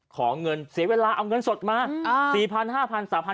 ขอเงินเสียเวลาเอาเงินสดมา